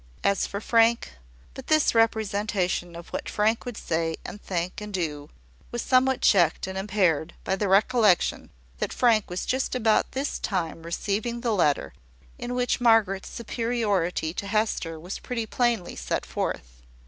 As for Frank . But this representation of what Frank would say, and think, and do, was somewhat checked and impaired by the recollection that Frank was just about this time receiving the letter, in which Margaret's superiority to Hester was pretty plainly set forth.